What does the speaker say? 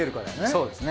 そうですね。